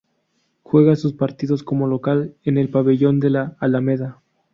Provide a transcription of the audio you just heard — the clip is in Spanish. Juega sus partidos como local en el Pabellón de la Alameda.